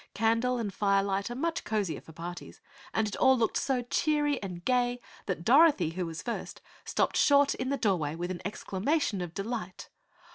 Candle and fire light are much cozier for parties, and it all looked so cheery and gay that Dorothy, who was first, stopped short in the doorway with an exclamation of delight.